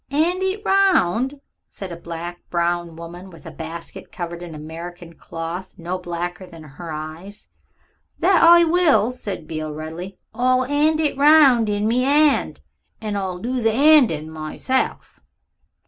"'And it round," said a black browed woman, with a basket covered in American cloth no blacker than her eyes. "That I will," said Beale readily. "I'll 'and it round in me 'and. And I'll do the 'andin' meself."